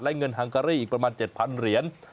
และเงินฮังการีอีกประมาณ๗๐๐เหรียญ